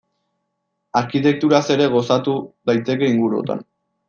Arkitekturaz ere gozatu daiteke inguruotan.